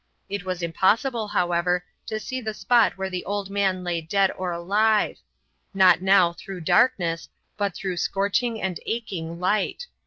It was impossible, however, to see the spot where the old man lay dead or alive; not now through darkness, but through scorching and aching light.